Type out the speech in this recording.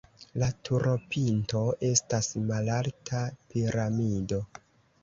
La turopinto estas malalta piramido.